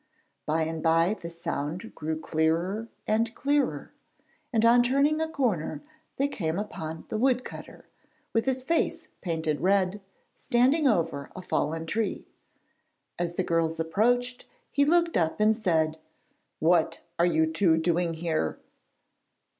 By and bye the sound grew clearer and clearer, and on turning a corner they came upon the woodcutter, with his face painted red, standing over a fallen tree. As the girls approached he looked up and said: 'What are you two doing here?'